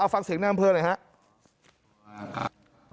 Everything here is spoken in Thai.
เอาฟังเสียงหน้าครับ